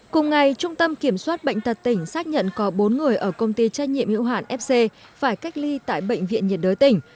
cùng ngày trung tâm kiểm soát bệnh tật tỉnh xác nhận có bốn người ở công ty trách nhiệm hữu hạn fc phải cách ly tại bệnh viện nhiệt đới tỉnh